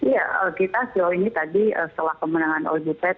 ya kita selalu ini tadi setelah kemenangan oi butet